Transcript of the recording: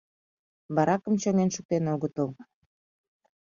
Баракым чоҥен шуктен огытыл.